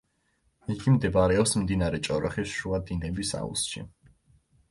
იგი მდებარეობს მდინარე ჭოროხის შუა დინების აუზში.